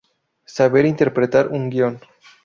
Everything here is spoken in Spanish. Saber interpretar un guion.